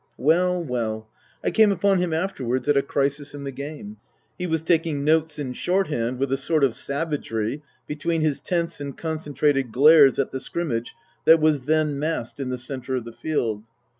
Well well ; I came upon him afterwards at a crisis in the game. He was taking notes in shorthand with a sort of savagery, between his tense and concentrated glares at the scrimmage that was then massed in the centre of the field.